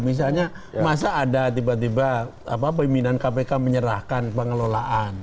misalnya masa ada tiba tiba pimpinan kpk menyerahkan pengelolaan